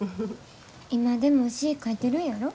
今でも詩ぃ書いてるんやろ？